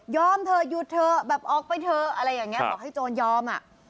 เถอะหยุดเถอะแบบออกไปเถอะอะไรอย่างนี้บอกให้โจรยอมอ่ะ